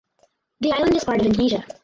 The island is part of Indonesia.